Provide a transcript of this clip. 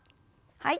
はい。